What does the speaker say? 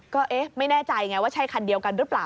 ก็เอ๊ะไม่แน่ใจไงว่าใช่คันเดียวกันหรือเปล่า